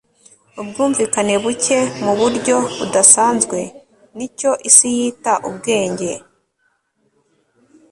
ubwumvikane buke muburyo budasanzwe nicyo isi yita ubwenge